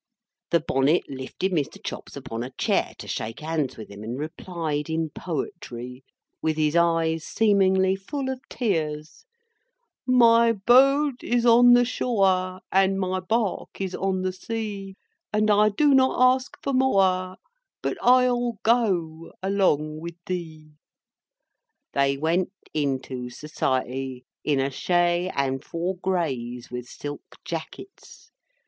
The Bonnet lifted Mr. Chops upon a chair, to shake hands with him, and replied in poetry, with his eyes seemingly full of tears: "My boat is on the shore, And my bark is on the sea, And I do not ask for more, But I'll Go:—along with thee." They went into Society, in a chay and four grays with silk jackets.